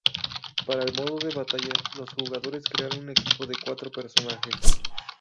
Para el modo de batalla, los jugadores crean un equipo de cuatro personajes.